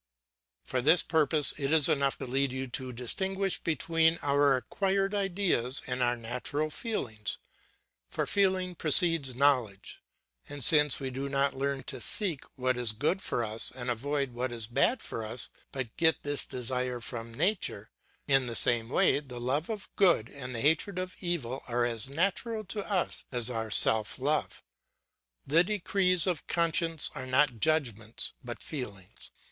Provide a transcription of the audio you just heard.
For this purpose it is enough to lead you to distinguish between our acquired ideas and our natural feelings; for feeling precedes knowledge; and since we do not learn to seek what is good for us and avoid what is bad for us, but get this desire from nature, in the same way the love of good and the hatred of evil are as natural to us as our self love. The decrees of conscience are not judgments but feelings.